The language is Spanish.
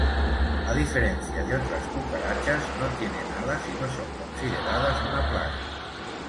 A diferencia de otras cucarachas, no tienen alas y no son consideradas una plaga.